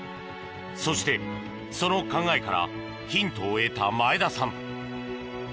そして、その考えからヒントを得た前田さん。